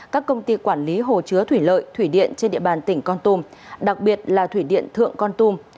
các công ty quản lý hồ chứa thủy lợi thủy điện trên địa bàn tỉnh con tum đặc biệt là thủy điện thượng con tum